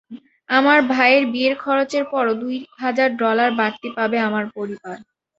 আমার ভাইয়ের বিয়ের খরচের পরও দুই হাজার ডলার বাড়তি পাবে আমার পরিবার।